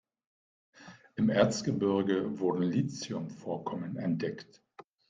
Im Erzgebirge wurden Lithium-Vorkommen entdeckt.